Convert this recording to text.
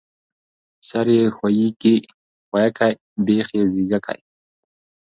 ـ سر يې ښويکى، بېخ يې زيږکى.